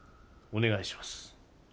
お願いします。